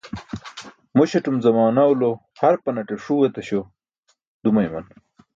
Muśatum zamaanwalo harpanate ṣuu etáśo dumayman.